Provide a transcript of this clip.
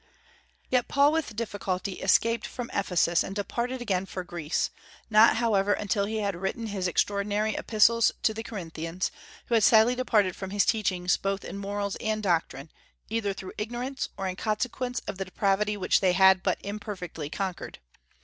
Yet Paul with difficulty escaped from Ephesus and departed again for Greece, not however until he had written his extraordinary Epistles to the Corinthians, who had sadly departed from his teachings both in morals and doctrine, either through ignorance, or in consequence of the depravity which they had but imperfectly conquered.